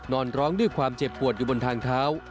นอนร้องด้วยความเจ็บปวดอยู่บนทางเท้า